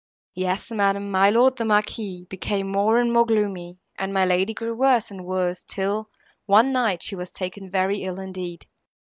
"Yes, madam, my lord, the Marquis, became more and more gloomy; and my lady grew worse and worse, till, one night, she was taken very ill, indeed.